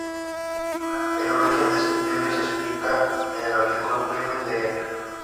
El origen de este premio se explica en el artículo Premio "Dr.